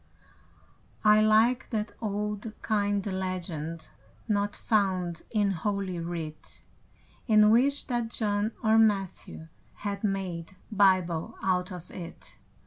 I like that old, kind legend Not found in Holy Writ, And wish that John or Matthew Had made Bible out of it.